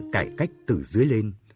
cải cách từ dưới lên